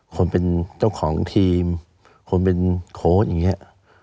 คนเป็นเจ้าของทีมคนเป็นโค้ชอย่างนี้